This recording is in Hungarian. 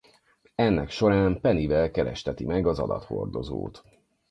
Ennek során Pennyvel keresteti meg az adathordozót.